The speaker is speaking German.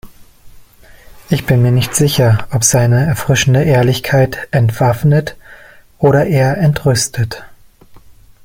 Ich bin mir nicht sicher, ob seine erfrischende Ehrlichkeit entwaffnet oder eher entrüstet.